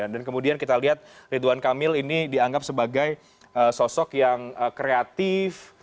dan kemudian kita lihat ridwan kamil ini dianggap sebagai sosok yang kreatif